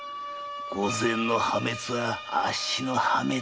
御前の破滅はあっしの破滅。